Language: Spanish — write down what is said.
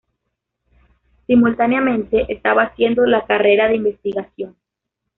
Simultáneamente estaba haciendo la carrera de investigación.